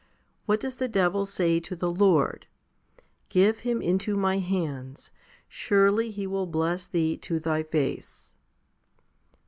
What does the devil say to the Lord ?" Give him into my hands : surely he will bless Thee to Thy face."